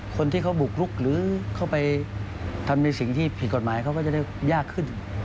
คนที่เขาบุกลุกหรือเข้าไปทำในสิ่งที่ผิดกฎหมายเขาก็จะได้ยากขึ้น